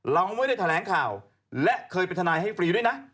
เราไม่ได้แถลงข่าวและเคยเป็นทนายให้ฟรีด้วยนะ